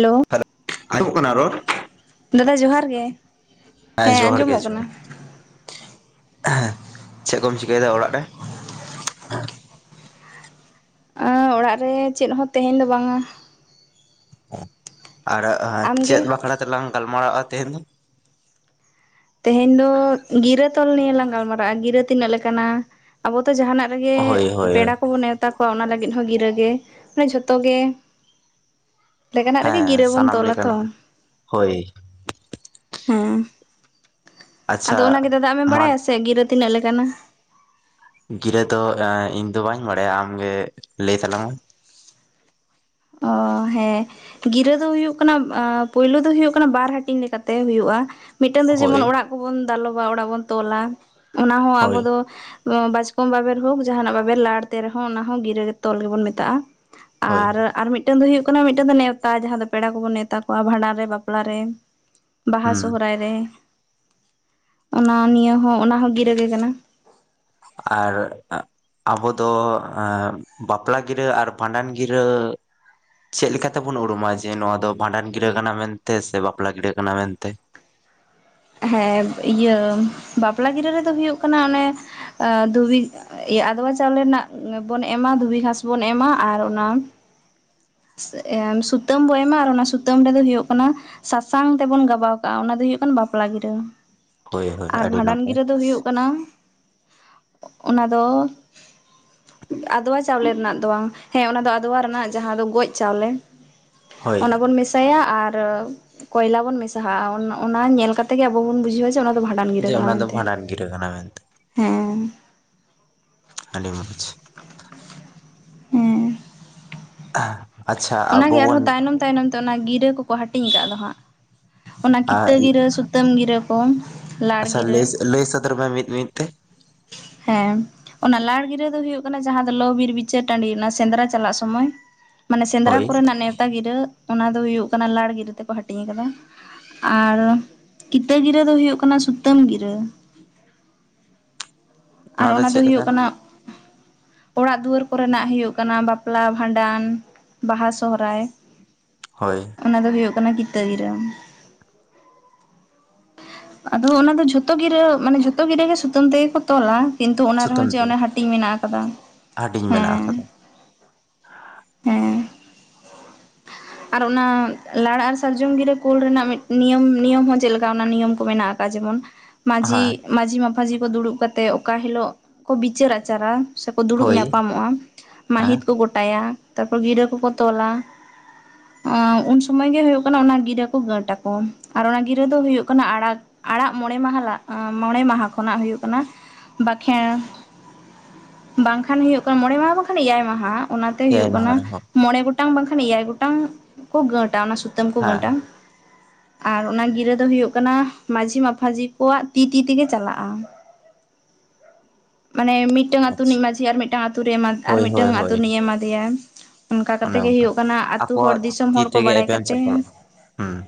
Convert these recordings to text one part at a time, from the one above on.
[inaudible] Hello ᱟᱡᱚᱢᱚᱜ ᱠᱟᱱᱟ ᱨᱚᱲ ᱫᱟᱫᱟ ᱡᱚᱦᱟᱨ ᱜᱮ ᱦᱮᱸ ᱡᱚᱦᱟᱨ ᱜᱮ ᱟᱸᱡᱚᱢᱚᱜ ᱠᱟᱱᱟ ᱡᱚᱦᱟᱨ ᱮᱸᱦᱮᱸᱪᱮᱫ ᱠᱚᱢ ᱪᱤᱠᱟᱹ ᱭᱮᱫᱟ ᱚᱲᱟᱜ ᱨᱮ ᱚᱲᱟᱜ ᱨᱮ ᱪᱮᱫ ᱦᱚᱸ ᱛᱮᱦᱮᱧ ᱫᱚ ᱵᱟᱝᱟ ᱟᱨ ᱟᱢᱜᱮ ᱪᱮᱫ? ᱵᱟᱠᱷᱨᱟ ᱛᱮᱞᱟᱟᱝ ᱜᱟᱞᱢᱟᱨᱟᱼᱟ ᱛᱮᱦᱮᱧ ᱫᱚ, ᱛᱮᱦᱮᱧ ᱫᱚ ᱜᱤᱨᱟᱹ ᱛᱚᱞ ᱱᱤᱭᱮ ᱞᱟᱝ ᱜᱟᱞᱢᱟᱨᱟᱜᱼᱟ ᱾ ᱜᱤᱨᱟᱹ ᱛᱤᱱᱟᱹᱜ ᱞᱮᱠᱟᱱᱟ ᱟᱵᱚ ᱡᱟᱦᱟᱸᱱᱟᱜ ᱨᱮᱜᱮ ᱦᱳᱭ ᱦᱳᱭ ᱯᱮᱲᱟ ᱠᱚᱵᱚᱱ ᱱᱮᱣᱛᱟ ᱠᱚᱣᱟ ᱚᱱᱟ ᱞᱟᱹᱜᱤᱫ ᱦᱚᱸ ᱜᱤᱨᱟᱹᱜᱮ ᱢᱟᱱᱮ ᱡᱷᱚᱛᱚ ᱜᱮ ᱞᱮᱠᱟᱱᱟᱜ ᱨᱮᱜᱮ ᱦᱮᱸ ᱜᱤᱨᱟᱹ ᱵᱚᱱ ᱥᱟᱱᱟᱢ ᱛᱚᱞᱟ ᱛᱚ ᱞᱮᱠᱟᱱᱟᱜ ᱦᱳᱭ ᱦᱮᱸ ᱟᱫᱚ ᱟᱪᱪᱷᱟ ᱚᱱᱟᱜᱮ ᱫᱟᱫᱟ ᱟᱢᱮᱢ ᱢᱟ ᱵᱟᱲᱟᱭᱟ ᱥᱮ ᱜᱤᱨᱟᱹ ᱛᱤᱱᱟᱹᱜ? ᱞᱮᱠᱟᱟᱱᱟ ᱜᱤᱨᱟᱹ ᱫᱚ ᱤᱧ ᱫᱚ ᱵᱟᱹᱧ ᱵᱟᱲᱟᱭᱟ ᱟᱢᱜᱮ ᱞᱟᱹᱭ ᱛᱟᱞᱟᱝ ᱢᱮ ᱚ ᱦᱮᱸ ᱜᱤᱨᱟᱹ ᱫᱚ ᱦᱩᱭᱩᱜ ᱠᱟᱱᱟ ᱟᱸ ᱯᱳᱭᱞᱳ ᱫᱚ ᱦᱩᱭᱩᱜ ᱠᱟᱱᱟ ᱵᱟᱨ ᱦᱟᱹᱴᱤᱧ ᱞᱮᱠᱟᱛᱮ ᱦᱩᱭᱩᱜᱼᱟ ᱢᱤᱫᱴᱟᱝ ᱫᱚ ᱦᱳᱭ ᱡᱮᱢᱚᱱ ᱚᱲᱟᱜ ᱠᱚᱵᱚᱱ ᱫᱟᱞᱚᱵᱟ ᱚᱲᱟᱜ ᱵᱚᱱ ᱛᱚᱞᱟ ᱚᱱᱟ ᱦᱚᱸ ᱦᱳᱭ ᱟᱵᱚ ᱫᱚ ᱵᱟᱪᱠᱚᱢ ᱵᱟᱵᱮᱨ ᱦᱳᱠ ᱡᱟᱦᱱᱟᱜ ᱵᱟᱵᱮᱨ ᱞᱟᱲ ᱛᱮ ᱨᱮᱦᱚᱸ ᱚᱱᱟ ᱦᱚᱸ ᱜᱤᱨᱟᱹ ᱛᱚᱞ ᱜᱮᱵᱚᱱ ᱢᱮᱛᱟᱜᱼᱟ [inaudible] ᱦᱳᱭ ᱟᱨ ᱟᱨ ᱢᱤᱫᱴᱟᱝ ᱫᱚ ᱦᱩᱭᱩᱜ ᱠᱟᱱᱟ ᱢᱤᱫᱴᱟᱝ ᱫᱚ ᱱᱮᱣᱛᱟ ᱡᱟᱦᱟᱸ ᱫᱚ ᱯᱮᱲᱟ ᱠᱚᱵᱚᱱ ᱱᱮᱣᱛᱟ ᱠᱚᱣᱟ ᱵᱷᱟᱸᱰᱟᱱ ᱨᱮ ᱵᱟᱯᱞᱟ ᱨᱮ ᱵᱟᱦᱟ ᱦᱩᱸ ᱥᱚᱦᱨᱟᱭ ᱨᱮ ᱚᱱᱟ ᱱᱤᱭᱟᱹ ᱦᱚᱸ ᱚᱱᱟ ᱦᱚᱸ ᱜᱤᱨᱟᱹᱜᱮ ᱠᱟᱱᱟ ᱟᱨ ᱟᱵᱚ ᱫᱚ ᱟᱸ ᱵᱟᱯᱞᱟ ᱜᱤᱨᱟᱹ ᱟᱨ ᱵᱷᱟᱸᱰᱟᱱ ᱜᱤᱨᱟᱹ ᱪᱮᱫ ᱞᱮᱠᱟ ᱛᱮᱵᱚᱱ ᱩᱨᱩᱢᱟ ᱡᱮ ᱱᱚᱣᱟ ᱫᱚ ᱵᱷᱟᱸᱰᱟᱱ ᱜᱤᱨᱟᱹ ᱠᱟᱱᱟ ᱢᱮᱱᱛᱮ ᱥᱮ ᱵᱟᱯᱞᱟ ᱜᱤᱤᱨᱟᱹ ᱠᱟᱱᱟ ᱢᱮᱱᱛᱮ? ᱦᱮᱸ ᱤᱭᱟᱹ ᱵᱟᱯᱞᱟ ᱜᱤᱨᱟᱹ ᱨᱮᱫᱚ ᱦᱩᱭᱩᱜ ᱠᱟᱱᱟ ᱚᱱᱮ ᱟᱼ ᱫᱷᱩᱵᱤ ᱤᱭᱟ ᱟᱫᱽᱣᱟ ᱪᱟᱣᱞᱮ ᱨᱮᱱᱟᱜ ᱵᱚᱱ ᱮᱢᱟ ᱫᱷᱩᱵᱤ ᱜᱷᱟᱥ ᱵᱚᱱ ᱮᱢᱟ ᱟᱨ ᱚᱱᱟ ᱥᱩᱛᱟᱹᱢ ᱵᱚᱱ ᱮᱢᱟ ᱟᱨ ᱚᱱᱟ ᱥᱩᱛᱟᱹᱢ ᱨᱮᱫᱚ ᱦᱩᱭᱩᱜ ᱠᱟᱱᱟ ᱥᱟᱥᱟᱝ ᱛᱮᱵᱚᱱ ᱜᱟᱵᱟᱣ ᱠᱟᱜᱼᱟ ᱚᱱᱟ ᱫᱚ ᱦᱩᱭᱩᱜ ᱠᱟᱱᱟ ᱵᱟᱯᱞᱟ ᱜᱤᱨᱟᱹ ᱾ ᱦᱳᱭ ᱦᱳᱭ ᱟᱨ ᱟᱹᱰᱤ ᱵᱷᱟᱸᱰᱟᱱ ᱱᱟᱯᱟᱭ ᱜᱤᱨᱟᱹ ᱫᱚ ᱦᱩᱭᱩᱜ ᱠᱟᱱᱟ ᱚᱱᱟ ᱫᱚ ᱟᱫᱣᱟ ᱪᱟᱣᱞᱮ ᱨᱮᱱᱟᱜ ᱫᱚ ᱵᱟᱝ, ᱦᱮᱸ ᱚᱱᱟ ᱫᱚ ᱟᱫᱣᱟ ᱨᱮᱱᱟᱜ ᱡᱟᱦᱟᱸ ᱫᱚ ᱜᱚᱡ ᱪᱟᱣᱞᱮ ᱦᱳᱭ ᱚᱱᱟ ᱵᱚᱱ ᱢᱮᱥ ᱢᱮᱥᱟᱭᱟ ᱟᱨ ᱠᱚᱭᱞᱟ ᱵᱚᱱ ᱢᱮᱥᱟᱦᱟᱜᱼᱟ ᱚᱱᱟ ᱧᱮᱞ ᱠᱟᱛᱮ ᱜᱮ ᱟᱵᱚ ᱵᱚᱱ ᱵᱩᱡᱷᱟᱹᱣᱟ ᱡᱮ ᱡᱮ ᱚᱱᱟ ᱫᱚ ᱵᱷᱟᱸᱰᱟᱱ ᱡᱮ ᱜᱤᱨᱟᱹ ᱠᱟᱱᱟ ᱚᱱᱟ ᱫᱚ ᱢᱮᱱᱛᱮ, ᱵᱷᱟᱸᱰᱟᱱ ᱜᱤᱨᱟᱹ ᱠᱟᱱᱟ ᱢᱮᱱᱛᱮ ᱦᱮᱸ ᱟᱹᱰᱤ ᱢᱚᱡᱽ ᱾ ᱦᱮᱸ ᱾ ᱟᱪᱪᱷᱟ ᱟᱵᱚ ᱚᱱᱟᱜᱮ ᱵᱚᱱ ᱟᱨᱦᱚᱸ ᱛᱟᱭᱱᱚᱢ ᱛᱟᱭᱱᱚᱢ ᱛᱮ ᱚᱱᱟ ᱜᱤᱨᱟᱹ ᱠᱚᱠᱚ ᱦᱟᱴᱤᱧ ᱠᱟᱫ ᱫᱚ ᱦᱟᱸᱜ᱾ᱚᱱᱟ ᱠᱤᱛᱟᱹ ᱜᱤᱨᱟᱹ ᱥᱩ ᱛᱟᱹᱢ ᱜᱤᱨᱟᱹ [unintelligible] ᱟᱪᱪᱷᱟ ᱜᱤᱨᱟᱹ ᱞᱟᱹᱭ, ᱞᱟᱹᱭ ᱥᱚᱫᱚᱨ ᱢᱮ ᱢᱤᱫ ᱢᱤᱫ ᱛᱮ ᱾ ᱦᱮᱸ ᱾ ᱚᱱᱟ ᱞᱟᱲ ᱜᱤᱨᱟᱹ ᱫᱚ ᱦᱩᱭᱩᱜ ᱠᱟᱱᱟ ᱡᱟᱦᱟᱸ ᱫᱚ ᱞᱚᱼᱵᱤᱨ ᱵᱤᱪᱟᱹᱨ ᱴᱟᱺᱰᱤ ᱚᱱᱟ ᱥᱮᱸᱫᱽᱨᱟ ᱪᱟᱞᱟᱜ ᱥᱚᱢᱚᱭ ᱢᱟᱱᱮ ᱥᱮᱸᱫᱽᱨᱟ ᱦᱳᱭ ᱠᱚᱨᱮᱱᱟᱜ ᱱᱮᱶᱛᱟ ᱜᱤᱨᱟᱹ ᱚᱱᱟ ᱫᱚ ᱦᱩᱭᱩᱜ ᱠᱟᱱᱟ ᱞᱟᱲ ᱜᱤᱨᱟᱹ ᱛᱮᱠᱚ ᱦᱟᱹᱴᱤᱧ ᱠᱟᱫᱟ ᱾ ᱟᱨ ᱠᱤᱛᱟᱹ ᱜᱤᱨᱟᱹ ᱫᱚ ᱦᱩᱭᱩᱜ ᱠᱟᱱᱟ ᱥᱩᱛᱟᱹᱢ ᱜᱤᱨᱟᱹ ᱾ ᱟᱨ ᱚᱱᱟ ᱫᱚ ᱦᱩᱭᱩᱜ ᱠᱟᱱᱟ ᱚᱲᱟᱜ ᱫᱩᱩᱭᱟᱹᱨ ᱠᱚᱨᱮᱱᱟᱜ ᱦᱩᱭᱩᱜ ᱠᱟᱱᱟ ᱵᱟᱯᱞᱟ, ᱵᱷᱟᱸᱰᱟᱱ, ᱵᱟᱦᱟ, ᱥᱚᱦᱨᱟᱭ ᱦᱳᱭ ᱾ ᱚᱱᱟ ᱫᱚ ᱦᱩᱭᱩᱜ ᱠᱟᱱᱟ ᱠᱤᱛᱟᱹ ᱜᱤᱨᱟᱹ ᱾ ᱟᱫᱚ ᱚᱱᱟ ᱫᱚ ᱡᱷᱚᱛᱚ ᱜᱤᱨᱟᱹ ᱢᱟᱱᱮ ᱡᱷᱚᱛᱚ ᱜᱤᱨᱟᱹ ᱜᱮ ᱥᱩᱛᱟᱹᱢ ᱛᱮᱜᱮ ᱠᱚ ᱛᱚᱞᱟ ᱠᱤᱱᱛᱩ ᱚᱱᱟ ᱥᱩᱛᱟᱹᱢ ᱨᱮᱦᱚᱸ ᱡᱮ ᱛᱮ ᱚᱱᱮ ᱦᱟᱹᱴᱤᱧ ᱢᱮᱱᱟᱜ ᱠᱟᱫᱟ ᱦᱟᱹᱴᱤᱧ ᱢᱮᱱᱟᱜ ᱦᱮᱸ ᱟᱠᱟᱫᱟ ᱾ ᱦᱮᱸ ᱾ ᱟᱨ ᱚᱱᱟ ᱞᱟᱲ ᱟᱨ ᱥᱟᱨᱡᱚᱢ ᱜᱤᱨᱟᱹ ᱠᱳᱞ ᱨᱮᱱᱟᱜ ᱢᱤᱫ ᱱᱤᱭᱚᱢ-ᱱᱤᱭᱚᱢ ᱦᱚᱸ ᱪᱮᱫ ᱞᱮᱠᱟ ᱚᱱᱟ ᱱᱤᱭᱚᱢ ᱠᱚ ᱢᱮᱱᱟᱜᱼᱟ ᱾ ᱚᱱᱠᱟ ᱡᱮᱢᱚᱱ ᱢᱟᱡᱷᱤ, ᱦᱮᱸ ᱢᱟᱡᱷᱤ ᱢᱟᱯᱷᱟᱡᱷᱤ ᱠᱚ ᱫᱩᱲᱩᱵ ᱠᱟᱛᱮᱜ ᱚᱠᱟ ᱦᱤᱞᱳᱜ ᱠᱚ ᱵᱤᱪᱟᱹᱨ ᱟᱪᱟᱨᱟ ᱥᱮᱠᱚ ᱫᱩᱲᱩᱵ ᱦᱳᱭ ᱧᱟᱯᱟᱢᱚᱜᱼᱟ ᱦᱮᱸ ᱢᱟᱦᱤᱛ ᱠᱚ ᱜᱚᱴᱟᱭᱟ ᱛᱟᱨᱯᱚᱨ ᱜᱤᱨᱟᱹ ᱠᱚᱠᱚ ᱛᱚᱞᱟ ᱾ ᱩᱱ ᱥᱩᱢᱚᱭ ᱜᱮ ᱦᱩᱭᱩᱜ ᱠᱟᱱᱟ ᱚᱱᱟ ᱜᱤᱨᱟᱹ ᱠᱚ ᱜᱟᱹᱴ ᱟᱠᱚ ᱟᱨ ᱚᱱᱟ ᱜᱤᱨᱟᱹ ᱫᱚ ᱦᱩᱭᱩᱜ ᱠᱟᱱᱟ ᱟᱲᱟᱜ ᱟᱲᱟᱜ ᱢᱚᱬᱮ ᱢᱟᱦᱟ ᱞᱟ ᱢᱚᱬᱮ ᱢᱟᱦᱟ ᱠᱷᱚᱱᱟᱜ ᱦᱩᱭᱩᱜ ᱠᱟᱱᱟ ᱾ ᱵᱟᱠᱷᱮᱬ ᱵᱟᱝᱠᱷᱟᱱ ᱦᱩᱭᱩᱜ ᱠᱟᱱᱟ ᱢᱚᱬᱮ ᱢᱟᱦᱟ ᱵᱟᱝᱠᱷᱟᱱ ᱮᱭᱟᱭ ᱢᱟᱦᱟ ᱾ ᱚᱱᱟᱛᱮ ᱮᱭᱟᱭ ᱦᱩᱭᱩᱜ ᱢᱟᱦᱟ ᱠᱟᱱᱟ ᱨᱮᱦᱚᱸ ᱢᱚᱬᱮ ᱜᱚᱴᱟᱝ ᱵᱟᱝᱠᱷᱟᱱ ᱮᱭᱟᱭ ᱜᱚᱴᱟᱝ ᱠᱚ ᱜᱟᱹᱴᱟ ᱚᱱᱟ ᱥᱩᱛ ᱥᱚᱛᱟᱹᱢ ᱠᱚ ᱦᱮᱸ ᱜᱟᱺᱴᱟ ᱾ ᱟᱨ ᱚᱱᱟ ᱜᱤᱨᱟᱹ ᱫᱚ ᱦᱩᱭᱩᱜ ᱠᱟᱱᱟ ᱢᱟᱡᱷᱤ ᱢᱟᱯᱷᱟᱡᱷᱤ ᱠᱚᱣᱟᱜ ᱛᱤ ᱛᱤ ᱛᱮᱜᱮ ᱪᱟᱞᱟᱜᱼᱟ ᱾ ᱢᱟᱱᱮ ᱢᱤᱫᱴᱟᱝ ᱟᱹᱛᱩ ᱟᱪᱪᱷᱟ ᱨᱤᱱᱤᱧ ᱢᱟᱡᱷᱤ ᱟᱨ ᱢᱤᱫᱴᱟᱝ ᱟᱛᱳ ᱨᱮ ᱮᱢᱟ ᱟᱨ ᱦᱳᱭ ᱦᱳᱭ ᱢᱤᱫᱴᱟᱝ ᱟᱛᱳ ᱦᱳᱭ ᱨᱤᱱᱤᱪ ᱮᱢᱟᱫᱮᱭᱟ᱾ ᱚᱱᱠᱟ ᱚᱱᱮ ᱠᱟᱛᱮ ᱜᱮ ᱚᱱᱠᱟ ᱦᱩᱭᱩᱜ ᱠᱟᱱᱟ ᱟᱛᱳ ᱦᱚᱲ ᱟᱠᱚᱣᱟᱜ ᱫᱤᱥᱚᱢ ᱛᱤ ᱦᱚᱲ ᱠᱚ ᱛᱮᱜᱮ ᱵᱟᱲᱟᱭ ᱮᱯᱮᱢ ᱠᱟᱛᱮ ᱪᱟᱯᱟᱞᱟᱜ ᱦᱩᱸ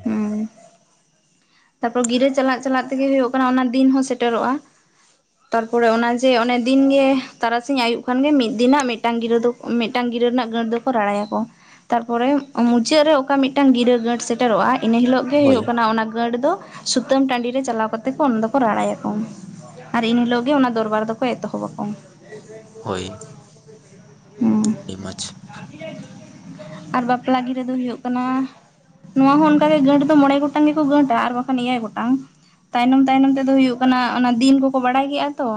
ᱛᱟᱨᱯᱚᱨ ᱜᱤᱨᱟᱹ ᱪᱟᱞᱟᱜ-ᱪᱟᱞᱟᱜ ᱛᱮᱜᱮ ᱦᱩᱭᱩᱜ ᱠᱟᱱᱟ ᱚᱱᱟ ᱫᱤᱱ ᱦᱚᱸ ᱥᱮᱴᱮᱨᱚᱜᱼᱟ ᱾ ᱛᱟᱨᱯᱚᱨᱮ ᱚᱱᱟ ᱡᱮ ᱚᱱᱮ ᱫᱤᱱ ᱜᱮ ᱛᱟᱨᱟᱥᱤᱧ ᱟᱹᱭᱩᱵ ᱠᱷᱟᱱ ᱜᱮ ᱢᱤᱫ ᱫᱤᱱᱟᱜ ᱢᱤᱫᱴᱟᱝ ᱜᱤᱨᱟᱹ ᱫᱚ ᱢᱤᱫᱴᱟᱝ ᱜᱤᱨᱟᱹ ᱨᱮᱱᱟᱜ ᱜᱟᱹᱴ ᱫᱚᱠᱚ ᱨᱟᱲᱟᱭᱟᱠᱚ ᱛᱟᱨᱯᱚᱨᱮ ᱢᱩᱪᱟᱹᱫ ᱨᱮ ᱚᱠᱟ ᱢᱤᱫᱴᱟᱝ ᱜᱤᱨᱟᱹ ᱜᱟᱹᱴ ᱥᱮ ᱥᱮᱴᱮᱨᱚᱜᱼᱟ ᱤᱱᱟᱹ ᱦᱤᱞᱳᱜ ᱜᱮ ᱦᱳᱭ ᱦᱩᱭᱩᱜ ᱠᱟᱱᱟ ᱚᱱᱟ ᱜᱟᱺᱴ ᱫᱚ ᱥᱩᱛᱟᱹᱢ ᱴᱟᱺᱰᱤ ᱨᱮ ᱪᱟᱞᱟᱣ ᱠᱟᱛᱮᱫ ᱠᱚ ᱚᱱᱟ ᱫᱚᱠᱚ ᱨᱟᱲᱟᱭᱟ ᱠᱚ ᱾ ᱟᱨ ᱮᱱᱦᱤᱞᱳᱜ ᱜᱮ ᱚᱱᱟ ᱫᱚᱨᱵᱟᱨ ᱫᱚᱠᱚ ᱮᱛᱚᱦᱚᱵ ᱟᱠᱚ ᱦᱳᱭ ᱦᱩ ᱟᱹᱰᱤ ᱢᱚᱡᱽ [inaudible] ᱟᱨ ᱵᱟᱯᱞᱟ ᱜᱤᱨᱟᱹ ᱫᱚ ᱦᱩᱭᱩᱜ ᱠᱟᱱᱟ ᱱᱚᱣᱟ ᱦᱚᱸ ᱚᱱᱠᱟ ᱜᱮ ᱜᱟᱹᱴ ᱫᱚ ᱢᱚᱬᱮ ᱜᱚᱴᱟᱝ ᱜᱮ ᱠᱚ ᱜᱟᱺᱴᱼᱟ ᱟᱨ ᱵᱟᱠᱷᱟᱱ ᱮᱭᱟᱭ ᱜᱚᱴᱟᱝ ᱛᱟᱭᱱᱚᱢ ᱛᱟᱭᱱᱚᱢ ᱛᱮᱫᱚ ᱦᱩᱭᱩᱜ ᱠᱟᱱᱟ ᱚᱱᱟ ᱫᱤᱱ ᱠᱚᱠᱚ ᱵᱟᱲᱟᱭ ᱠᱮᱜᱼᱟ ᱛᱚ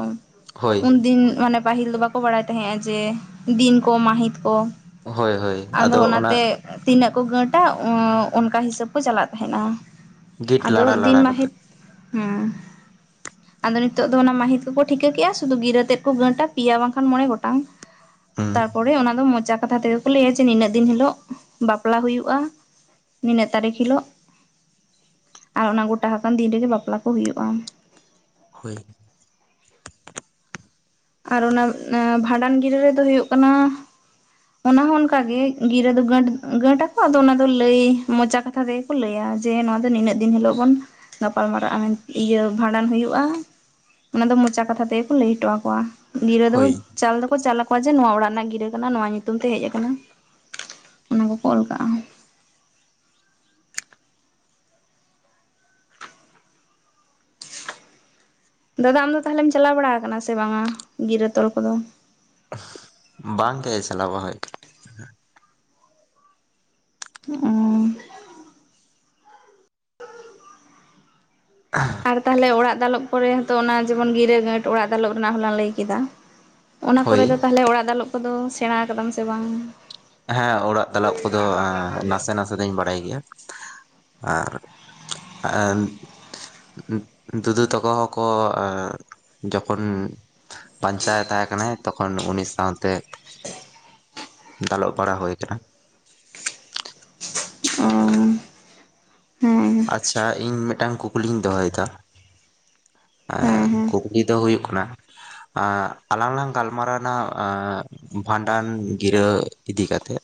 ᱦᱳᱭ ᱩᱱᱫᱤᱱ ᱢᱟᱱᱮ ᱯᱟᱹᱦᱤᱞ ᱫᱚ ᱵᱟᱠᱚ ᱵᱟᱲᱟᱭ ᱛᱟᱦᱮᱸᱫ ᱼᱟ ᱡᱮ ᱫᱤᱱ ᱠᱚ ᱢᱟᱹᱦᱤᱛ ᱠᱚ ᱦᱳᱭ ᱦᱳᱭ ᱟᱫᱚ ᱚᱱᱟ ᱚᱱᱟᱛᱮ ᱛᱤᱱᱟᱹᱜ ᱠᱚ ᱜᱟᱺᱴᱼᱟ ᱚᱸᱻ ᱚᱱᱠᱟ ᱦᱤᱥᱟᱹᱵ ᱠᱚ ᱪᱟᱞᱟᱜ ᱛᱟᱦᱮᱸᱱᱟ ᱜᱤᱴ ᱟᱫᱚ ᱞᱟᱲᱟ ᱫᱤᱱ ᱞᱟᱲᱟ ᱠᱟᱛᱮᱜ ᱢᱟᱹᱦᱤᱛ ᱦᱩᱸᱻ ᱟᱫᱚ ᱱᱤᱛᱚᱜ ᱫᱚ ᱚᱱᱟ ᱢᱟᱹᱦᱤᱛ ᱠᱚᱠᱚ ᱴᱷᱤᱠᱟᱹ ᱠᱮᱫᱼᱟ ᱥᱩᱫᱷᱩ ᱜᱤᱨᱟᱹᱛᱮᱫ ᱠᱚ ᱜᱟᱺᱴᱼᱟ ᱯᱮᱭᱟ ᱵᱟᱝᱠᱷᱟᱱ ᱢᱚᱬᱮ ᱜᱚᱴᱟᱝ ᱦᱩᱸ ᱛᱟᱨᱯᱚᱨᱮ ᱚᱱᱟ ᱫᱚ ᱢᱚᱪᱟ ᱠᱟᱛᱷᱟ ᱛᱮᱜᱮ ᱞᱟᱹᱭᱟ ᱡᱮ ᱱᱤᱱᱟᱹᱜ ᱫᱤᱱ ᱦᱤᱞᱳᱜ ᱵᱟᱯᱞᱟ ᱦᱩᱭᱩᱜᱼᱟ ᱱᱤᱱᱟᱹᱜ ᱛᱟᱨᱤᱠᱷ ᱦᱤᱞᱳᱜᱼᱼ ᱟᱨ ᱚᱱᱟ ᱜᱚᱴᱟ ᱟᱠᱟᱱ ᱫᱤᱱ ᱨᱮᱜᱮ ᱵᱟᱯᱞᱟ ᱠᱚ ᱦᱩᱭᱩᱜᱼᱟ᱾ ᱦᱳᱭ᱾ ᱟᱨ ᱚᱱᱟ ᱵᱷᱟᱸᱰᱟᱱ ᱜᱤᱨᱟᱹ ᱨᱮᱫᱚ ᱦᱩᱭᱩᱜ ᱠᱟᱱᱟ, ᱚᱱᱟ ᱦᱚᱸ ᱚᱱᱠᱟ ᱜᱮ ᱜᱤᱨᱟᱹ ᱫᱚ ᱜᱟᱹᱴ ᱜᱟᱹᱴ ᱟᱠᱚ ᱟᱫᱚ ᱚᱱᱟ ᱫᱚ ᱞᱟᱹᱭ ᱢᱚᱪᱟ ᱠᱟᱛᱷᱟ ᱛᱮ, ᱠᱚ ᱞᱟᱹᱭᱟ ᱡᱮ ᱱᱚᱣᱟ ᱫᱚ ᱱᱤᱱᱟᱹᱜ ᱫᱤᱱ ᱦᱤᱞᱳᱜ ᱵᱚᱱ ᱜᱟᱯᱟᱞ ᱢᱟᱨᱟᱜᱼᱟ ᱤᱭᱟᱹ ᱵᱷᱟᱸᱰᱟᱱ ᱦᱩᱭᱩᱜᱼᱟ᱾ ᱚᱱᱟ ᱫᱚ ᱢᱚᱪᱟ ᱠᱟᱛᱷᱟ ᱛᱮᱜᱮᱠᱚ ᱞᱟᱹᱭ ᱦᱚᱴᱚ ᱟᱠᱚᱣᱟ ᱜᱤᱨᱟᱹ ᱫᱚ ᱦᱳᱭ ᱪᱟᱞ ᱫᱚᱠᱚ ᱪᱟᱞ ᱟᱠᱚ, ᱠᱚ ᱡᱮ ᱱᱚᱣᱟ ᱚᱲᱟᱜ ᱨᱮᱱᱟᱜ ᱜᱤᱨᱟᱹ ᱠᱟᱱᱟ ᱱᱚᱣᱟ ᱧᱩᱛᱩᱢ ᱛᱮ ᱦᱮᱡ ᱠᱟᱱᱟ, ᱚᱱᱟ ᱠᱚᱠᱚ ᱚᱞ ᱠᱟᱜᱼᱟ᱾ ᱫᱟᱫᱟ ᱟᱢ ᱫᱚ ᱛᱟᱦᱚᱞᱮᱢ ᱪᱟᱞᱟ ᱵᱟᱲᱟ ᱠᱟᱱᱟ ᱥᱮ ᱵᱟᱝᱟ ᱜᱤᱨᱟᱹ ᱛᱚᱞ ᱠᱚᱫᱚ᱾ ᱵᱟᱝ ᱜᱮ ᱪᱟᱞᱟ ᱵᱟᱝ ᱦᱳᱭᱳᱜ᱾ ᱩᱸ, [unintelligible] ᱟᱨ ᱛᱟᱦᱞᱮ ᱚᱲᱟᱜ ᱫᱟᱞᱚᱵ ᱠᱚᱨᱮ ᱦᱚᱸ ᱛᱚ, ᱚᱱᱟ ᱡᱮᱢᱚᱱ ᱜᱤᱨᱟᱹ ᱜᱟᱺᱴ ᱚᱲᱟᱜ ᱫᱟᱞᱚᱵ ᱨᱮᱱᱟᱜ ᱦᱚᱞᱟᱝ ᱞᱟᱹᱭ ᱠᱮᱫᱟ᱾ ᱚᱱᱟ ᱠᱚᱨᱮ ᱦᱳᱭ ᱫᱚ ᱛᱟᱦᱚᱞᱮ ᱚᱲᱟᱜ ᱫᱟᱞᱚᱵ ᱠᱚᱫᱚ ᱥᱮᱸᱬᱟ ᱠᱟᱫᱟᱢ ᱥᱮ ᱵᱟᱝ᱾ ᱦᱮᱸ ᱚᱲᱟᱜ ᱫᱟᱞᱚᱵ ᱠᱚᱫᱚ, ᱱᱟᱥᱮ ᱱᱟᱥᱮ ᱫᱩᱧ ᱵᱟᱲᱟᱭ ᱜᱮᱭᱟ ᱟᱨ, ᱟᱨ, ᱫᱩᱫᱩ ᱛᱟᱠᱚ ᱦᱚᱸᱠᱚ ᱮᱸ ᱡᱚᱠᱷᱚᱱ, ᱵᱟᱧᱪᱟᱣ ᱮ ᱛᱟᱦᱮᱸ ᱠᱟᱱᱟᱭ ᱛᱚᱠᱷᱚᱱ ᱩᱱᱤ ᱥᱟᱶᱛᱮ, ᱫᱟᱞᱚᱵ ᱵᱟᱲᱟ ᱦᱩᱭ ᱠᱟᱱᱟ᱾ ᱚ, ᱦᱮᱸ ᱦᱮᱸ ᱟᱪᱪᱷᱟ ᱤᱧ ᱢᱤᱫᱴᱟᱝ ᱠᱩᱠᱞᱤᱧ ᱫᱚᱦᱚᱭᱮᱫᱟ? ᱦᱮᱸ ᱠᱩᱠᱞᱤ ᱫᱚ ᱦᱩᱭᱩᱜ ᱠᱟᱱᱟ? ᱟᱞᱟᱝ ᱞᱟᱝ ᱜᱟᱞᱢᱟᱨᱟᱣᱱᱟ, ᱵᱷᱟᱸᱰᱟᱱ ᱜᱤᱨᱟᱹ ᱤᱫᱤ ᱠᱟᱛᱮᱫ,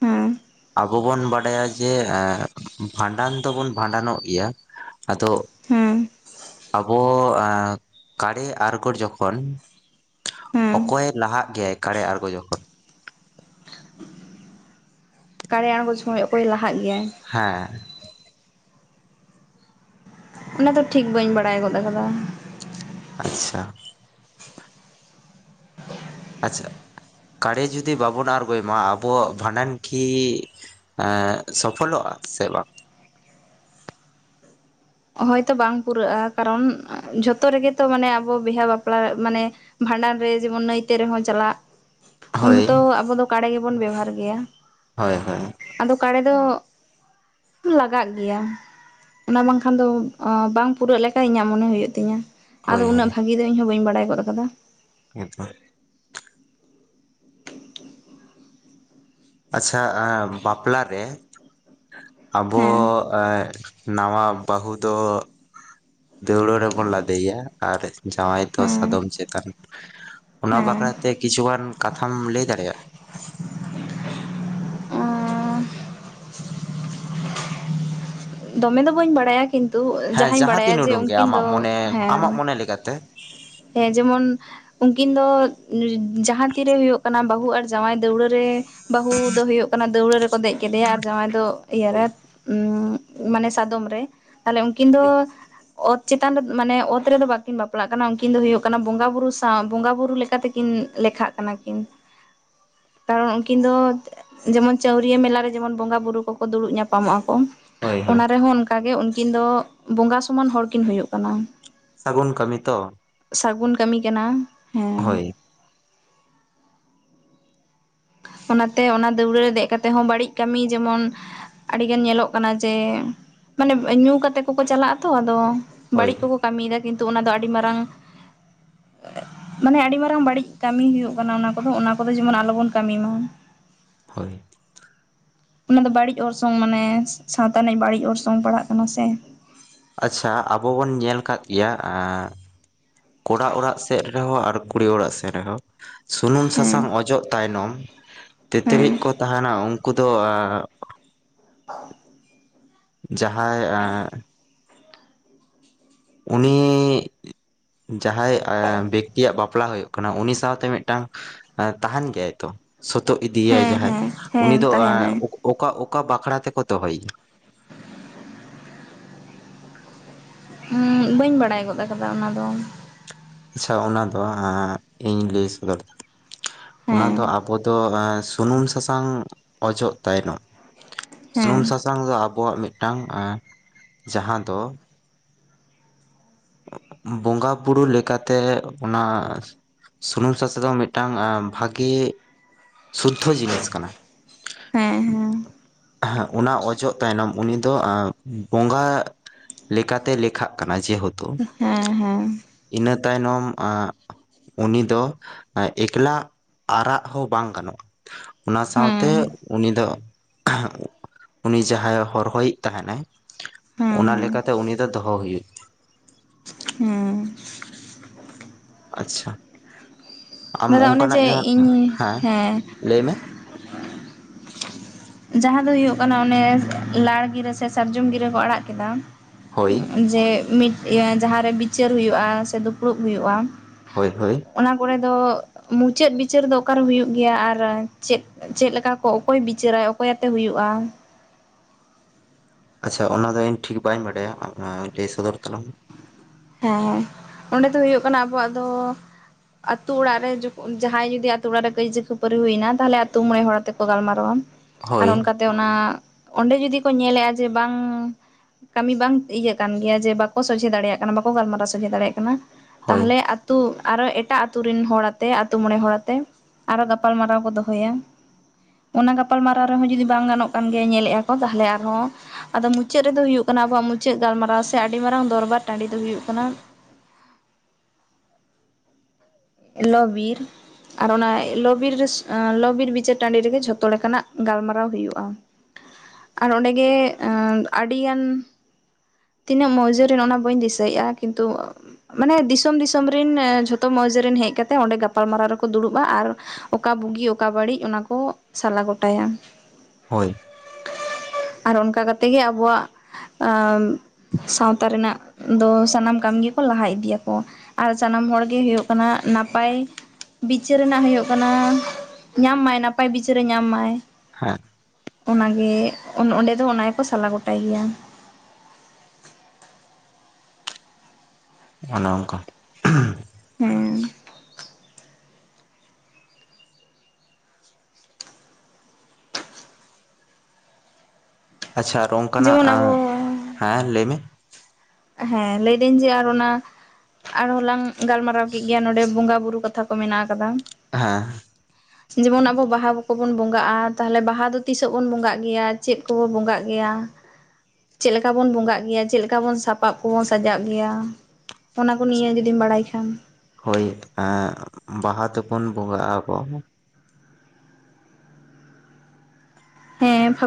ᱦᱩ, ᱟᱵᱚ ᱵᱚᱱ ᱵᱟᱰᱟᱭᱟ ᱡᱮ ᱮ ᱵᱷᱟᱸᱰᱟᱱ ᱫᱚᱵᱚᱱ ᱵᱷᱟᱸᱰᱟᱱᱚᱜ ᱜᱮᱭᱟ, ᱟᱫᱚ, ᱦᱮᱸ ᱟᱵᱚ ᱠᱟᱲᱮ ᱟᱲᱜᱚᱨ ᱡᱚᱠᱷᱚᱱ, ᱦᱮᱸ ᱚᱠᱚᱭᱮ ᱞᱟᱦᱟᱜ ᱜᱮᱭᱟᱭ ᱠᱟᱲᱮ ᱟᱸᱬᱜᱚ ᱡᱚᱠᱷᱚᱱ? ᱠᱟᱲᱮ ᱟᱬᱜᱚ ᱥᱚᱢᱚᱭ ᱚᱠᱚᱭ ᱞᱟᱦᱟᱜ ᱜᱮᱭᱟᱭ, ᱦᱮᱸ, ᱚᱱᱟ ᱫᱚ ᱴᱷᱤᱠ ᱵᱟᱹᱧ ᱵᱟᱲᱟᱭ ᱜᱚᱫ ᱠᱟᱫᱟ᱾ ᱟᱪᱪᱷᱟ ᱟᱪᱪᱷᱟ ᱠᱟᱨᱮ ᱡᱩᱫᱤ ᱵᱟᱵᱚᱱ ᱟᱸᱬᱜᱚᱭ ᱢᱟ ᱟᱵᱚᱣᱟᱜ ᱵᱷᱟᱸᱰᱟᱱ ᱠᱤ? ᱮ ᱥᱚᱯᱷᱚᱞᱚᱜᱼᱟ ᱥᱮ ᱵᱟᱝ? ᱦᱳᱭᱛᱚ ᱵᱟᱝ ᱯᱩᱨᱟᱹᱜᱼᱟ ᱠᱟᱨᱚᱱ ᱡᱷᱚᱛᱚ ᱨᱮᱜᱮ ᱛᱚ ᱢᱟᱱᱮ ᱟᱵᱚ ᱵᱤᱦᱟᱹ ᱵᱟᱯᱞᱟ ᱢᱟᱱᱮ, ᱵᱷᱟᱸᱰᱟᱱ ᱨᱮ ᱡᱮᱢᱚᱱ ᱱᱟᱹᱭᱛᱮ ᱨᱮᱦᱚᱸ ᱪᱟᱞᱟᱜ᱾ ᱩᱱ ᱦᱳᱭ ᱦᱚᱛᱚ ᱟᱵᱚ ᱫᱚ ᱠᱟᱲᱮ ᱜᱮᱵᱚᱱ ᱵᱮᱵᱦᱟᱨ ᱜᱮᱭᱟ᱾ ᱦᱳᱭ ᱦᱳᱭ, ᱟᱫᱚ ᱠᱟᱲᱮ ᱫᱚ ᱞᱟᱜᱟᱜ ᱜᱮᱭᱟ ᱚᱱᱟ ᱵᱟᱝ, ᱠᱷᱟᱱ ᱫᱚ ᱵᱟᱝ ᱯᱩᱨᱟᱹᱜ ᱞᱮᱠᱟ ᱤᱧᱟᱹᱜ ᱢᱚᱱᱮ ᱦᱩᱭᱩᱜ ᱛᱤᱧ ᱟᱫ ᱦᱳᱭ ᱦᱳᱭ ᱩᱱᱟᱹᱜ ᱵᱷᱟᱜᱮ ᱵᱷᱟᱵ, [unintelligible] ᱤᱧ ᱦᱚᱸ ᱵᱟᱹᱧ ᱵᱟᱰᱟᱭ ᱜᱚᱫ ᱠᱟᱫᱟ᱾ ᱦᱮ ᱛᱚ, ᱟᱪᱪᱷᱟ ᱟ ᱵᱟᱯᱞᱟ ᱨᱮ ᱟᱵᱚ? ᱦᱮᱸ [unintelligible] ᱱᱟᱣᱟ ᱵᱟᱹᱦᱩ ᱫᱚ ᱫᱟᱹᱣᱲᱟᱹ ᱨᱮᱵᱚᱱ ᱞᱟᱫᱮᱭᱭᱟ ᱟᱨ, ᱡᱟᱶᱟᱭ ᱫᱚ ᱦᱮᱸ ᱥᱟᱫᱚᱢ ᱪᱮᱛᱟᱱ, ᱚᱱᱟ ᱦᱮᱸ ᱵᱟᱠᱷᱨᱟᱛᱮ ᱠᱤᱪᱷᱩᱩᱜᱟᱱ ᱠᱟᱛᱷᱟᱢ ᱞᱟᱹᱭ ᱫᱟᱲᱮᱭᱟᱜᱼᱟ᱾ ᱫᱚᱢᱮ ᱫᱚ ᱵᱟᱹᱧ ᱵᱟᱲᱟᱭᱟ, ᱠᱤᱱᱛᱩ ᱦᱮᱸ ᱡᱟᱦᱟᱸᱟᱧ ᱡᱟᱦᱟᱸ ᱵᱟᱲᱟᱭᱟ ᱛᱤᱱ ᱡᱮ ᱩᱰᱩᱝ ᱜᱮ ᱩᱱᱠᱤᱱ ᱫᱚ ᱟᱢᱟᱜ ᱢᱚᱱᱮ ᱟᱢᱟᱜ ᱦᱮᱸ᱾ ᱢᱚᱱᱮ ᱞᱮᱠᱟᱛᱮ ᱦᱮᱸ ᱡᱮᱢᱚᱱ, ᱩᱱᱠᱤᱱ ᱫᱚ ᱡᱟᱦᱟᱸ ᱛᱤᱨᱮ ᱦᱩᱭᱩᱜ ᱠᱟᱱᱟ ᱵᱟᱹᱦᱩ ᱟᱨ ᱡᱟᱶᱟᱭ ᱫᱟᱹᱣᱲᱟᱹ ᱨᱮ ᱵᱟᱹᱦᱩ ᱫᱚ ᱦᱳᱭᱳᱜ ᱠᱟᱱᱟ ᱫᱟᱹᱣᱲᱟᱹ ᱨᱮᱠᱚ ᱫᱮᱡ ᱠᱮᱫᱮᱭᱟ ᱟᱨ ᱡᱟᱶᱟᱭ ᱫᱚ ᱦᱳᱭ ᱤᱭᱟᱹᱨᱮ ᱩ ᱢᱟᱱᱮ ᱥᱟᱫᱚᱢ ᱨᱮ ᱛᱟᱦᱞᱮ ᱩᱱᱠᱤᱱ ᱫᱚ ᱦᱳᱭ ᱚᱛ ᱪᱮᱛᱟᱱ ᱨᱮ ᱢᱟᱱᱮ ᱚᱛ ᱨᱮᱫᱚ ᱵᱟᱹᱠᱤᱱ ᱵᱟᱯᱞᱟᱜ ᱠᱟᱱᱟ ᱩᱱᱠᱤᱱ ᱫᱚ ᱦᱩᱭᱩᱜ ᱠᱟᱱᱟ ᱵᱚᱸᱜᱟ ᱵᱩᱨᱩ ᱥᱟᱶ ᱵᱚᱸᱜᱟ ᱵᱩᱨᱩ ᱞᱮᱠᱟᱛᱮ ᱠᱤᱱ ᱞᱮᱠᱷᱟᱜ ᱠᱟᱱᱟ ᱠᱤᱱ ᱠᱟᱨᱚᱱ ᱩᱱᱠᱤᱱ ᱫᱚ ᱡᱮᱢᱚᱱ ᱪᱟᱹᱣᱨᱤᱭᱟ ᱢᱮᱞᱟ ᱨᱮ ᱡᱮᱢᱚᱱ ᱵᱚᱸᱜᱟᱼ ᱵᱩᱨᱩ ᱠᱚᱠᱚ ᱫᱩᱲᱩᱵ ᱧᱟᱯᱟᱢᱚᱜᱼᱟ ᱠᱚ ᱦᱳᱭ ᱦᱳᱭ ᱚᱱᱟ ᱨᱮᱦᱚᱸ ᱚᱱᱠᱟ ᱜᱮ ᱩᱱᱠᱤᱱ ᱫᱚ ᱵᱚᱸᱜᱟ ᱥᱚᱢᱟᱱ ᱦᱚᱲᱠᱤᱱ ᱦᱩᱭᱩᱜ ᱠᱟᱱᱟ᱾ ᱥᱟᱹᱜᱩᱱ ᱠᱟᱹᱢᱤ ᱛᱚ ᱥᱟᱹᱜᱩᱱ ᱠᱟᱹᱢᱤ ᱠᱟᱱᱟ᱾ ᱦᱮᱸ ᱦᱳᱭ ᱚᱱᱟᱛᱮ ᱚᱱᱟ ᱫᱟᱹᱣᱲᱟᱹ ᱨᱮ ᱫᱮᱡ ᱠᱟᱛᱮᱫ ᱦᱚᱸ ᱵᱟᱹᱲᱤᱡ ᱠᱟᱹᱢᱤ ᱡᱮᱢᱚᱱ ᱟᱹᱰᱤᱜᱟᱱ ᱧᱮᱞᱚᱜ ᱠᱟᱱᱟ ᱡᱮ ᱢᱟᱱᱮ ᱧᱩ ᱠᱟᱛᱮᱫ ᱠᱚᱠᱚ ᱪᱟᱞᱟᱜ ᱟᱛᱚ ᱟᱫᱚ ᱵᱟᱹᱲᱤᱡ ᱦᱳᱭ ᱠᱚᱠᱚ ᱠᱟᱹᱢᱤᱫᱟ ᱠᱤᱱᱛᱩ ᱚᱱᱟ ᱫᱚ ᱟᱹᱰᱤ ᱢᱟᱨᱟᱝ ᱢᱟᱱᱮ ᱟᱹᱰᱤ ᱢᱟᱨᱟᱝ ᱵᱟᱹᱲᱤᱡ ᱠᱟᱹᱢᱤ ᱦᱩᱭᱩᱜ ᱠᱟᱱᱟ ᱚᱱᱟ ᱠᱚᱫᱚ ᱚᱱᱟ ᱠᱚᱫᱚ ᱡᱮᱢᱚᱱ ᱟᱞᱚᱵᱚᱱ ᱠᱟᱹᱢᱤ ᱢᱟ᱾ ᱦᱳᱭ ᱚᱱᱟ ᱫᱚ ᱵᱟᱹᱲᱤᱡ ᱚᱲᱥᱚᱝ ᱢᱟᱱᱮ ᱥᱟᱶᱛᱟ ᱨᱤᱱᱤᱡ ᱵᱟᱹᱲᱤᱡ ᱚᱨᱥᱚᱝ ᱯᱟᱲᱦᱟᱜ ᱠᱟᱱᱟ ᱥᱮ ᱟᱪᱷᱟ ᱟᱵᱚ ᱵᱚᱱ ᱧᱮᱞ ᱠᱟᱫ ᱜᱮᱭᱟ ᱮᱸᱻ ᱠᱚᱲᱟ ᱚᱲᱟᱜ ᱥᱮᱫ ᱨᱮᱦᱚᱸ ᱟᱨ ᱠᱩᱲᱤ ᱚᱲᱟᱜ ᱥᱮᱫ ᱨᱮᱦᱚᱸ ᱥᱩᱱᱩᱢ ᱦᱮᱸ ᱥᱟᱥᱟᱝ ᱚᱡᱚᱜ ᱛᱟᱭᱱᱚᱢ ᱦᱮᱸ ᱛᱮᱛᱨᱤᱡ ᱠᱚ ᱛᱟᱦᱮᱱᱟ ᱩᱱᱠᱩ ᱫᱚ ᱟ [unintelligible] ᱡᱟᱦᱟᱸᱭ ᱮ ᱩᱱᱤ ᱡᱟᱦᱟᱸᱭ-ᱟ ᱵᱮᱠᱛᱤᱭᱟᱜ ᱵᱟᱯᱞᱟ ᱦᱩᱭᱩᱜ ᱠᱟᱱᱟ ᱩᱱᱤ ᱥᱟᱶᱛᱮ ᱢᱤᱫᱴᱟᱝ ᱛᱟᱦᱮᱱ ᱜᱮᱭᱟᱭ ᱛᱚ ᱥᱚᱛᱳᱜ ᱤᱫᱤᱭᱟᱭ ᱦᱮᱸ ᱡᱟᱦᱟᱸᱭ ᱦᱮᱸ ᱩᱱᱤ ᱦᱮᱸ ᱫᱚ ᱛᱟᱦᱮᱱᱟᱭ ᱚᱠᱟ ᱚᱠᱟ ᱚᱠᱟ ᱵᱟᱠᱷᱨᱟ ᱛᱮᱠᱚ ᱫᱚᱦᱚᱭᱟ? ᱦᱩ ᱵᱟᱹᱧ ᱵᱟᱲᱟᱭ ᱜᱚᱫ ᱟᱠᱟᱫᱟ ᱚᱱᱟᱫᱚ ᱟᱪᱪᱷᱟ ᱚᱱᱟ ᱫᱚ ᱦᱟ ᱤᱧ ᱞᱟᱹᱭ ᱥᱚᱫᱚᱨ ᱫᱟ ᱚᱱᱟ ᱦᱮᱸ ᱫᱚ ᱟᱵᱚ ᱫᱚ ᱦᱟ ᱥᱩᱱᱩᱢ ᱥᱟᱥᱟᱝ ᱚᱡᱚᱜ ᱛᱟᱭᱱᱚᱢ ᱦᱮᱸ ᱥᱩᱱᱩᱢ ᱥᱟᱥᱟᱝ ᱫᱚ ᱟᱚ ᱟᱵᱚᱣᱟᱜ ᱢᱤᱫᱴᱟᱝ ᱮ ᱡᱟᱦᱟᱸ ᱫᱚ ᱵᱚᱸᱜᱟ-ᱵᱩᱨᱩ ᱞᱮᱠᱟᱛᱮ ᱚᱱᱟ ᱥᱩᱱᱩᱢ ᱥᱟᱥ ᱫᱚ ᱢᱤᱫᱴᱟᱱ ᱵᱷᱟᱹᱜᱮ ᱥᱩᱫᱽᱫᱷᱚ ᱡᱤᱱᱤᱥ ᱠᱟᱱᱟ᱾ ᱦᱮ ᱦᱮ ᱦᱟᱜ ᱚᱱᱟ ᱚᱡᱚᱜ ᱛᱟᱭᱱᱚᱢ ᱩᱱᱤ ᱫᱚ ᱟ ᱵᱚᱸᱜᱟ ᱞᱮᱠᱟᱛᱮ ᱞᱮᱠᱷᱟᱜ ᱠᱟᱱᱟ ᱡᱮᱦᱮᱛᱚ ᱦᱮ ᱦᱮ ᱤᱱᱟᱹ ᱛᱟᱭᱱᱚᱢ ᱟᱜ ᱩᱱᱤ ᱫᱚ ᱮᱠᱞᱟ ᱟᱨᱟᱜ ᱦᱚᱸ ᱵᱟᱝ ᱜᱟᱱᱚᱜᱼᱟ᱾ ᱚᱱᱟ ᱥᱟᱶᱛᱮ ᱦᱮᱸ ᱩᱱᱤ ᱫᱚ ᱠᱷᱟ ᱩᱱᱤ ᱡᱟᱦᱟᱸᱭ ᱦᱚᱨᱦᱚᱭᱤᱡ ᱛᱟᱦᱮᱱᱟᱭ ᱦᱮᱸ ᱚᱱᱟ ᱦᱮᱸ ᱞᱮᱠᱟᱛᱮ ᱩᱱᱤ ᱫᱚ ᱫᱚᱦᱚ ᱦᱩᱭᱩᱜ ᱛᱟᱭ᱾ ᱦᱩᱸ ᱟᱪᱪᱷᱟ ᱟᱢ ᱫᱟᱫᱟ ᱚᱱᱮ ᱚᱱᱠᱟᱱᱟᱜ ᱡᱮ ᱡᱟᱦᱟᱸ ᱤᱧ ᱦᱮᱸ ᱞᱟᱹᱭ ᱢᱮ? ᱡᱟᱦᱟᱸ ᱫᱚ ᱦᱩᱭᱩᱜ ᱠᱟᱱᱟ ᱚᱱᱮ ᱞᱟᱲᱜᱤᱨᱟᱹ ᱥᱮ ᱥᱟᱨᱡᱚᱢ ᱜᱤᱨᱟᱹ ᱠᱚ ᱟᱲᱟᱜ ᱠᱮᱫᱟ ᱦᱳᱭ ᱡᱮ ᱢᱤᱫ ᱤᱭᱟᱹ ᱡᱟᱸᱦᱟᱨᱮ ᱵᱤᱪᱟᱹᱨ ᱦᱩᱭᱩᱜᱼᱟ ᱥᱮ ᱫᱩᱯᱲᱩᱵ ᱦᱩᱭᱩᱜᱼᱟ ᱦᱳᱭ ᱦᱳᱭ ᱚᱱᱟ ᱠᱚᱨᱮᱫ ᱫᱚ ᱢᱩᱪᱟᱹᱫ ᱵᱤᱪᱟᱹᱨ ᱫᱚ ᱚᱠᱟᱨᱮ ᱦᱩᱭᱩᱜ ᱜᱮᱭᱟ ᱟᱨ ᱪᱮᱫ ᱪᱮᱫ ᱞᱮᱠᱟ ᱠᱚ ᱚᱠᱚᱭ ᱵᱤᱪᱟᱹᱨᱟᱭ ᱚᱠᱚᱭᱟᱛᱮ ᱦᱩᱭᱩᱜᱼᱟ᱾ ᱟᱪᱪᱷᱟ ᱚᱱᱟ ᱫᱚ ᱤᱧ ᱴᱷᱤᱠ ᱵᱟᱹᱧ ᱵᱟᱰᱟᱭᱟ ᱞᱟᱹᱭ ᱥᱚᱫᱚᱨ ᱛᱟᱞᱟᱝ ᱦᱮᱸ ᱦᱮᱸ ᱚᱸᱰᱮ ᱫᱚ ᱦᱩᱭᱩᱜ ᱠᱟᱱᱟ ᱟᱵᱚᱣᱟᱜ ᱫᱚ ᱟᱹᱛᱩ ᱚᱲᱟᱜ ᱨᱮ ᱡᱚᱠᱷᱚᱱ ᱡᱟᱦᱟᱸᱭ ᱡᱩᱫᱤ ᱟᱹᱛᱩ ᱚᱲᱟᱜ ᱨᱮ ᱠᱟᱹᱭᱡᱟᱹ ᱠᱷᱟᱹᱯᱟᱹᱨᱤ ᱦᱩᱭᱱᱟ ᱛᱟᱦᱚᱞᱮ ᱟᱹᱛᱩ ᱢᱚᱬᱮ ᱦᱚᱲ ᱛᱮᱠᱚ ᱜᱟᱞᱢᱟᱨᱟᱣᱟ ᱟᱨ ᱦᱳᱭ ᱚᱱᱠᱟᱛᱮ ᱚᱱᱟ ᱚᱱᱰᱮ ᱡᱩᱫᱤ ᱠᱚ ᱧᱮᱞᱮᱫᱼᱟ ᱡᱮ ᱵᱟᱝ ᱠᱟᱹᱢᱤ ᱵᱟᱝ ᱤᱭᱟᱹ ᱠᱟᱱ ᱜᱮᱭᱟ ᱡᱮ ᱵᱟᱠᱚ ᱥᱚᱡᱷᱮ ᱫᱟᱲᱮᱭᱟᱜ ᱠᱟᱱᱟ ᱵᱟᱠᱚ ᱜᱟᱞᱢᱟᱨᱟᱣ ᱥᱚᱡᱷᱮ ᱫᱟᱲᱮᱭᱟᱜ ᱠᱟᱱᱟ ᱦᱳᱭ ᱛᱟᱦᱚᱞᱮ [inaudible] ᱟᱨᱦᱚᱸ ᱮᱴᱟᱜ ᱟᱹᱛᱩ ᱨᱮᱱ ᱦᱚᱲ ᱟᱛᱮ ᱟᱹᱛᱩ ᱢᱚᱬᱮ ᱦᱚᱲ ᱟᱛᱮ ᱟᱨᱦᱚᱸ ᱜᱟᱯᱟᱞ ᱢᱟᱨᱟᱣ ᱠᱚ ᱫᱚᱦᱚᱭᱟ ᱚᱱᱟ ᱜᱟᱯᱟᱞᱢᱟᱨᱟᱣ ᱨᱮᱦᱚᱸ ᱡᱩᱫᱤ ᱵᱟᱝ ᱜᱟᱱᱚᱜ ᱠᱟᱱ ᱜᱮᱭᱟ ᱧᱮᱞᱮᱜᱼᱟ ᱠᱚ ᱛᱟᱦᱚᱞᱮ ᱟᱨᱦᱚᱸ ᱟᱫᱚ ᱢᱩᱪᱟᱹᱫ ᱨᱮᱫᱚ ᱦᱩᱭᱩᱜ ᱠᱟᱱᱟ ᱟᱵᱚᱣᱟᱜ ᱢᱩᱪᱟᱹᱫ ᱜᱟᱞᱢᱟᱨᱟᱣ ᱥᱮ ᱟᱹᱰᱤ ᱢᱟᱨᱟᱝ ᱫᱚᱨᱵᱟᱨ ᱴᱟᱺᱰᱤ ᱫᱚ ᱦᱩᱭᱩᱜ ᱠᱟᱱᱟ ᱞᱚᱵᱤᱨ ᱟᱨ ᱚᱱᱟ ᱞᱚᱵᱤᱨ [unintelligible] ᱨᱮ ᱞᱚᱵᱤᱨ ᱵᱤᱪᱟᱹᱨ ᱴᱟᱺᱰᱤ ᱨᱮᱜᱮ ᱡᱷᱚᱛᱚ ᱞᱮᱠᱟᱱᱟᱜ ᱜᱟᱞᱢᱟᱨᱟᱣ ᱦᱩᱭᱩᱜᱼᱟ ᱟᱨ ᱚᱸᱰᱮ ᱜᱮ ᱟᱹᱰᱤ ᱜᱟᱱ ᱛᱤᱱᱟᱹᱜ ᱢᱟᱹᱣᱡᱟᱹ ᱨᱮᱱ ᱚᱱᱟ ᱵᱟᱹᱧ ᱫᱤᱥᱟᱹᱭᱮᱫᱼᱟ ᱠᱤᱱᱛᱩ ᱢᱟᱱᱮ ᱫᱤᱥᱚᱢ ᱫᱤᱥᱚᱢ ᱨᱮᱱ ᱡᱷᱚᱛᱚ ᱢᱟᱹᱣᱡᱟᱹ ᱨᱮᱱ ᱦᱮᱡ ᱠᱟᱛᱮ ᱚᱸᱰᱮ ᱜᱟᱯᱟᱞᱢᱟᱨᱟᱣ ᱨᱮᱠᱚ ᱫᱩᱲᱩᱵᱼᱟ ᱟᱨ ᱚᱠᱟ ᱵᱩᱜᱤ ᱚᱠᱟ ᱵᱟᱹᱲᱤᱡ ᱚᱱᱟᱠᱚ ᱥᱟᱞᱟ ᱜᱚᱴᱟᱭᱟ ᱦᱳᱭ [unintelligible] ᱟᱨ ᱚᱱᱠᱟ ᱠᱟᱛᱮ ᱜᱮ ᱟᱵᱚᱣᱟᱜ ᱟᱸᱼ ᱥᱟᱶᱛᱟ ᱨᱮᱱᱟᱜ ᱫᱚ ᱥᱟᱱᱟᱢ ᱠᱟᱹᱢᱤ ᱜᱮᱠᱚ ᱞᱟᱦᱟ ᱤᱫᱤᱭᱟᱠᱚ ᱟᱨ ᱥᱟᱱᱟᱢ ᱦᱚᱲᱜᱮ ᱦᱩᱭᱩᱜ ᱠᱟᱱᱟ ᱱᱟᱯᱟᱭ ᱵᱤᱪᱟᱹᱨ ᱨᱮᱱᱟᱜ ᱦᱩᱭᱩᱜ ᱠᱟᱱᱟ ᱧᱟᱢ ᱢᱟᱭ ᱱᱟᱯᱟᱭ ᱵᱤᱪᱟᱹᱨᱮ ᱧᱟᱢ ᱢᱟᱭ ᱦᱮᱸ ᱚᱱᱟᱜᱮ ᱚᱱ ᱚᱸᱰᱮ ᱫᱚ ᱚᱱᱟ ᱜᱮᱠᱚ ᱥᱟᱞᱟ ᱜᱚᱴᱟᱭ ᱜᱮᱭᱟ ᱚᱱᱮ ᱚᱝᱠᱟ ᱾ ᱦᱮᱸ ᱟᱪᱪᱷᱟ ᱟᱨ ᱚᱱᱠᱟᱱᱟᱜ ᱡᱮᱢᱚᱱ ᱟᱵᱚ ᱦᱮᱸ ᱞᱟᱹᱭ ᱢᱮ ᱦᱮᱸ ᱞᱟᱹᱭᱫᱟᱹᱧ ᱡᱮ ᱟᱨ ᱚᱱᱟ ᱟᱨᱦᱚ ᱞᱟᱝ ᱜᱟᱞᱢᱟᱨᱟᱣ ᱠᱮᱫ ᱜᱮᱭᱟ ᱱᱚᱰᱮ ᱵᱚᱸᱜᱟ ᱵᱩᱨᱩ ᱠᱟᱛᱷᱟ ᱠᱚ ᱢᱮᱱᱟᱜ ᱟᱠᱟᱫᱼᱟ ᱦᱮᱸ [inaudible] ᱡᱮᱢᱚᱱ ᱟᱵᱚ ᱵᱟᱦᱟ ᱠᱚᱵᱚᱱ ᱵᱚᱸᱜᱟᱜᱼᱟ ᱛᱟᱦᱚᱞᱮ ᱵᱟᱦᱟ ᱫᱚ ᱛᱤᱥᱚᱜ ᱵᱚᱱ ᱵᱚᱸᱜᱟᱜ ᱜᱮᱭᱟ ᱪᱮᱫ ᱠᱚᱵᱚᱱ ᱵᱚᱸᱜᱟᱜ ᱜᱮᱭᱟ ᱪᱮᱫ ᱞᱮᱠᱟ ᱵᱩᱱ ᱵᱚᱸᱜᱟᱜ ᱜᱮᱭᱟ ᱪᱮᱫ ᱞᱮᱠᱟ ᱵᱩᱱ ᱥᱟᱯ ᱥᱟᱯᱟᱵ ᱠᱚᱵᱚᱱ ᱥᱟᱡᱟᱜ ᱜᱮᱭᱟ ᱚᱱᱟ ᱠᱚ ᱱᱤᱭᱟᱹ ᱡᱩᱫᱤᱢ ᱵᱟᱲᱟᱭ ᱠᱷᱟᱱ ᱦᱳᱭ ᱮᱸ ᱵᱟᱦᱟ ᱛᱮᱵᱚᱱ ᱵᱚᱸᱜᱟᱜ ᱟᱵᱚ ᱦᱮᱸ